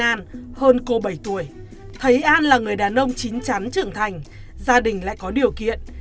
an hơn cô bảy tuổi thấy an là người đàn ông chính chắn trưởng thành gia đình lại có điều kiện